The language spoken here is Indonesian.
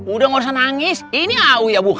udah nggak usah nangis ini au ya bu bukain